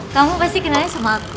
kamu pasti kenalnya sama aku